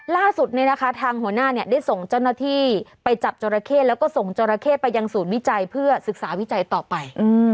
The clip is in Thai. ล่าสุดทางหัวหน้าได้ส่งเจ้าหน้าที่ไปจับจราเข้แล้วก็ส่งจราเข้ไปยังศูนย์วิจัยเพื่อศึกษาวิจัยต่อไป